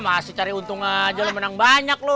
masih cari untung aja lo menang banyak lo